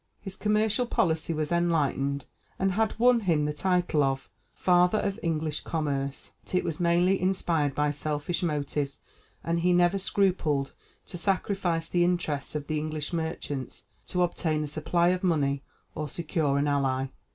His commercial policy was enlightened, and has won him the title of the "father of English commerce" but it was mainly inspired by selfish motives, and he never scrupled to sacrifice the interests of the English merchants, to obtain a supply of money or secure an ally.